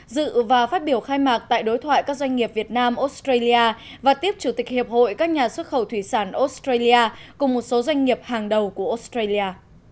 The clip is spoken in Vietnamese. dự và phát biểu khai mạc tại đối thoại các doanh nghiệp việt nam australia và tiếp chủ tịch hiệp hội các nhà xuất khẩu thủy sản australia cùng một số doanh nghiệp hàng đầu của australia